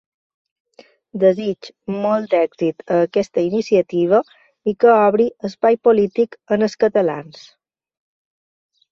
Desitjo molt èxit a aquesta iniciativa, i que obri espai polític als catalans.